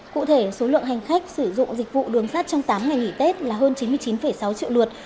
cụ thể số lượng hành khách sử dụng dịch vụ đường sát trong tám ngày nghỉ tết là hơn chín mươi chín sáu triệu lượt